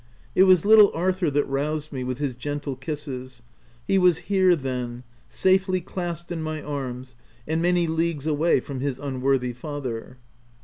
It was little Arthur that roused me, with his gentle kisses :— He was here, then — safely clasped in my arms, and many leagues away from his unworthy father